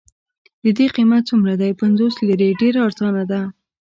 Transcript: د دې قیمت څومره دی؟ پنځوس لیرې، ډېره ارزانه ده.